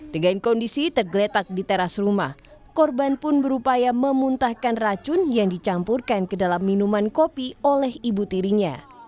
dengan kondisi tergeletak di teras rumah korban pun berupaya memuntahkan racun yang dicampurkan ke dalam minuman kopi oleh ibu tirinya